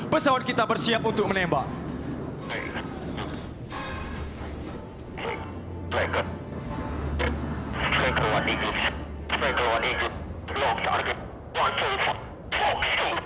pesawat kita bersiap untuk menembak